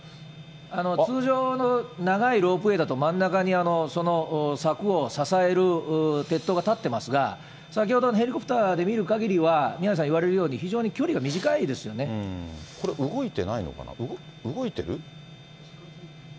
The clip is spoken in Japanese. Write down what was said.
通常の長いロープウェイだと、真ん中に柵を支える鉄塔が立ってますが、先ほどのヘリコプターで見るかぎりは、宮根さん言われるように、非常に距離が短いですよこれ、動いてないのかな。